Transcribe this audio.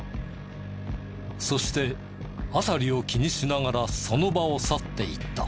そして辺りを気にしながらその場を去っていった。